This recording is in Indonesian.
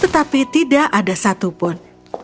tetapi tidak ada satupun